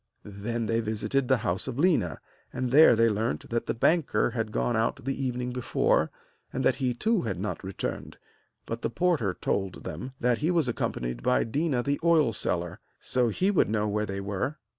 Then they visited the house of Léna, and there they learnt that the banker had gone out the evening before, and that he too had not returned; but the porter told them that he was accompanied by Déna the oil seller, so he would know where they were.